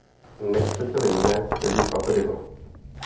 Nechcete-li mne, tedy Fabryho.